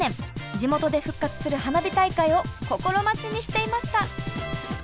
地元で復活する花火大会を心待ちにしていました！